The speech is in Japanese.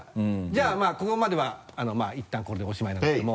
じゃあまぁここまではいったんこれでおしまいなんですけども。